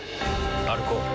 歩こう。